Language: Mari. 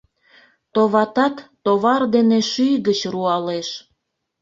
Товатат, товар дене шӱй гыч руалеш...